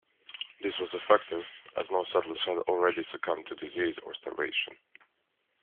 This was effective, as most settlers had already succumbed to disease or starvation.